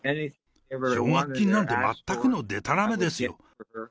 奨学金なんて、全くのでたらめですよ。